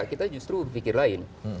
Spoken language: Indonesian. kita justru berpikir lain